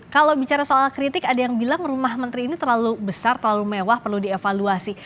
kalau bicara soal kritik ada yang bilang rumah menteri ini terlalu besar terlalu mewah perlu dievaluasi